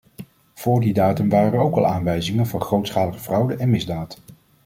Voor die datum waren er ook al aanwijzingen van grootschalige fraude en misdaad.